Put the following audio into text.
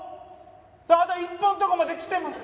あと一歩のとこまで来てます。